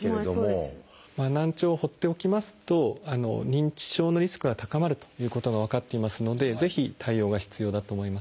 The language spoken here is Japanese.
難聴を放っておきますと認知症のリスクが高まるということが分かっていますのでぜひ対応が必要だと思います。